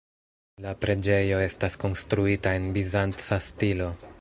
La preĝejo estas konstruita en bizanca stilo.